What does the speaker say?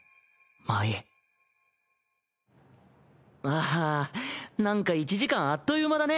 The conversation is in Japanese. ああなんか１時間あっという間だね。